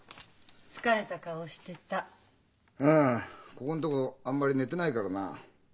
ここんとこあんまり寝てないからな。